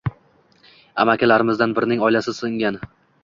Amakilarimizdan birining oilasi sing‘an